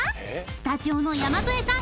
スタジオの山添さん